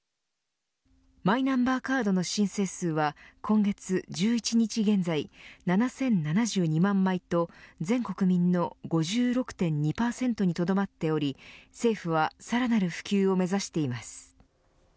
マイナンバーカードの申請数は今月１１日現在７０７２万枚と全国民の５６．２％にとどまっており政府はさらなる普及を目指しています。